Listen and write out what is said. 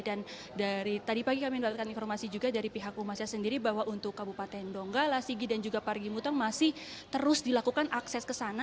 dan dari tadi pagi kami melakukan informasi juga dari pihak umasa sendiri bahwa untuk kabupaten donggala sigi dan juga parigimutong masih terus dilakukan akses ke sana